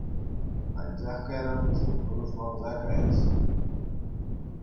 Анчах кайран вӗсем хӑрушланса кайрӗҫ.